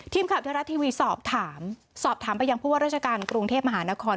ทีมข่าวเทวรัฐทีวีสอบถามสอบถามไปยังผู้ว่าราชการกรุงเทพมหานคร